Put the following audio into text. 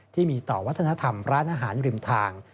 ที่มีต่อวัฒนธรรมร้านอาหารริมทาง